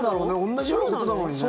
同じようなことなのにね。